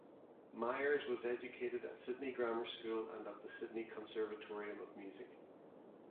Myers was educated at Sydney Grammar School and at the Sydney Conservatorium of Music.